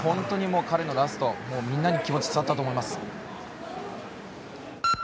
彼のラストみんなに気持ちが伝わったと思います。